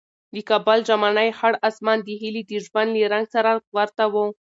د کابل ژمنی خړ اسمان د هیلې د ژوند له رنګ سره ورته و.